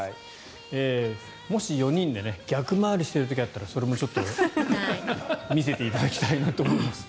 もし４人で逆回りしている時があったらそれもちょっと見せていただきたいなと思います。